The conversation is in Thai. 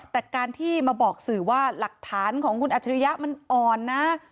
แต่การที่มาบอกสื่อว่าหลักฐานของคุณอัจฉริยะมันอ่อนนะ